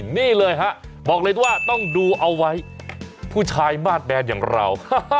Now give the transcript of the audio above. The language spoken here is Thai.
นี่เลยฮะบอกเลยว่าต้องดูเอาไว้ผู้ชายมาสแบนอย่างเรา